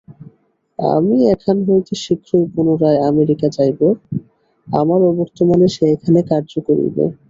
আমি এখান হইতে শীঘ্রই পুনরায় আমেরিকা যাইব, আমার অবর্তমানে সে এখানে কার্য করিবে।